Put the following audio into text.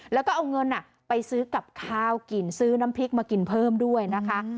แล้วก็เอาเงินไปซื้อกับข้าวกินซื้อน้ำพริกมากินเพิ่มด้วยนะคะ